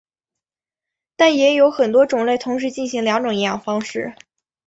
但也有很多种类同时行两种营养方式。